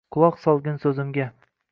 «Quloq solgin so’zimga.